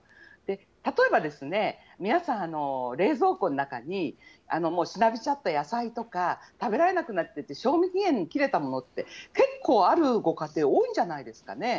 例えばですね、皆さん、冷蔵庫の中に、もうしなびちゃった野菜とか、食べられなくなって賞味期限切れたものって、結構あるご家庭、多いんじゃないですかね。